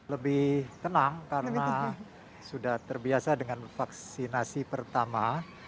lebih tenang karena sudah terbiasa dengan vaksinasi pertama